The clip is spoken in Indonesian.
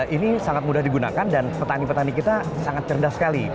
ini sangat mudah digunakan dan petani petani kita sangat cerdas sekali